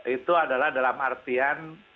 itu adalah dalam artian